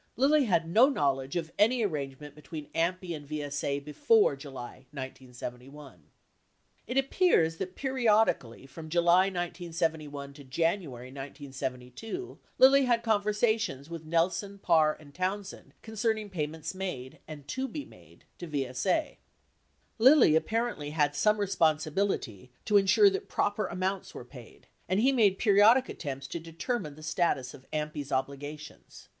Lilly had no knowledge of any arrange ment between AMPI and ASA before J ulv, 1971 . It appears that periodically from July, 1971 to January, 1972, Lilly had conversations with Nelson, Parr, and Townsend concerning pay ments made, and to be made, to VS A. Lilly apparently had some re sponsibility to insure that proper amounts were paid, and he made periodic attempts to determine the status of AMPl's obligations.